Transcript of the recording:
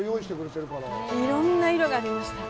いろんな色がありました。